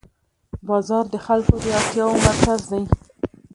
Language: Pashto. بازار د خلکو د اړتیاوو مرکز دی